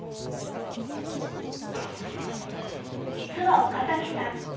［実は岡崎さん